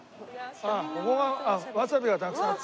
ああここがわさびがたくさんあって。